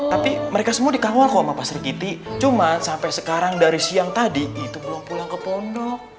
tapi mereka semua dikawal kok sama pak sri kiti cuma sampai sekarang dari siang tadi itu belum pulang ke pondok